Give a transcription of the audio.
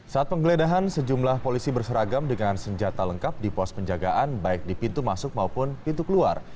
saat penggeledahan sejumlah polisi berseragam dengan senjata lengkap di pos penjagaan baik di pintu masuk maupun pintu keluar